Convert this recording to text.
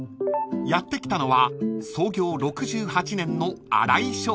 ［やって来たのは創業６８年の］